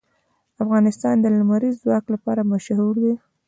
افغانستان د لمریز ځواک لپاره مشهور دی.